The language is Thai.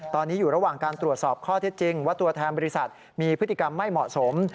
ตอนนี้อยู่ระหว่างการตรวจสอบข้อเท็จจริงว่าตัวแทนบริษัทมีพฤติกรรมไม่เหมาะสม